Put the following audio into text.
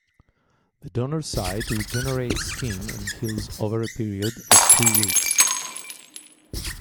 The donor site regenerates skin and heals over a period of two weeks.